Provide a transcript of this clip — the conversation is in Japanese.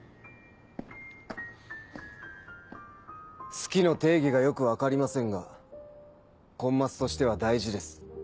好きの定義がよく分かりませんがコンマスとしては大事です。